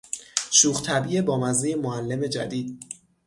شوخ طبعی بامزهی معلم جدید